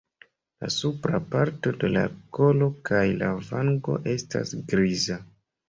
La supra parto de la kolo kaj la vango estas griza.